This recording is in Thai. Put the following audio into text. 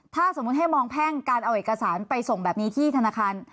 ถ้าสมมุติให้มองแพ่งการเอาเอกสารไปส่งแบบนี้ที่ธนาคาร